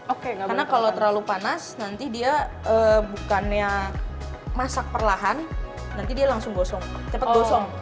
oke karena kalau terlalu panas nanti dia bukannya masak perlahan nanti dia langsung gosong cepat gosong